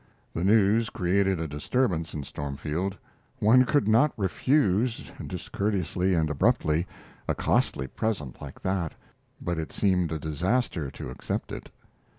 The news created a disturbance in Stormfield. One could not refuse, discourteously and abruptly, a costly present like that; but it seemed a disaster to accept it.